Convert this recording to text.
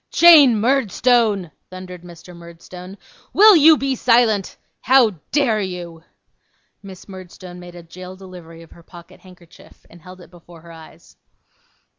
'Jane Murdstone,' thundered Mr. Murdstone. 'Will you be silent? How dare you?' Miss Murdstone made a jail delivery of her pocket handkerchief, and held it before her eyes.